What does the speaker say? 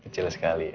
kecil sekali ya